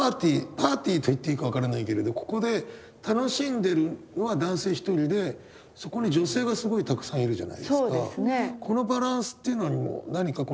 パーティーと言っていいか分からないけれどここで楽しんでるのは男性１人でそこに女性がすごいたくさんいるじゃないですか。